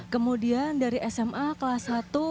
kemudian dari sma kelas satu